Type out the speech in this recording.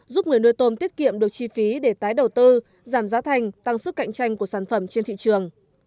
giúp người nuôi tôm tiết kiệm được chi phí để tái đầu tư giảm giá thành tăng sức cạnh tranh của sản phẩm trên thị trường